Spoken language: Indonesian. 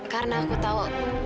karena aku tahu